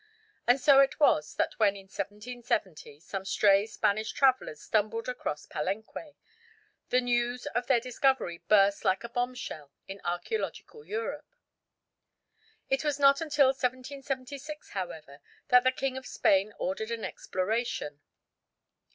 And so it was that when in 1770 some stray Spanish travellers stumbled across Palenque, the news of their discovery burst like a bombshell in archæological Europe. It was not until 1776, however, that the King of Spain ordered an exploration.